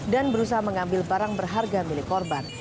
dan berusaha mengambil barang berharga milik korban